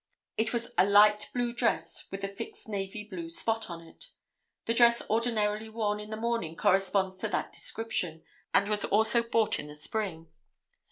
It was a light blue dress with a fixed navy blue spot on it. The dress ordinarily worn in the morning corresponds to that description, and was also bought in the spring.